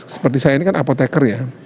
seperti saya ini kan apoteker ya